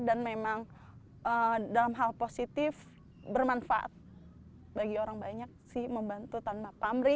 dan memang dalam hal positif bermanfaat bagi orang banyak sih membantu tanpa pamri